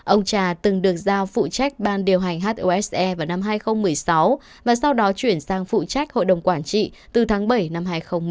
ông trà từng được giao phụ trách ban điều hành hose vào năm hai nghìn một mươi sáu và sau đó chuyển sang phụ trách hội đồng quản trị từ tháng bảy năm hai nghìn một mươi tám